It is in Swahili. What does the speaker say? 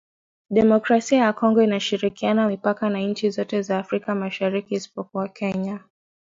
Demokrasia ya Kongo inashirikiana mipaka na nchi zote za Afrika Mashariki isipokuwa Kenya